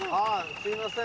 すいません。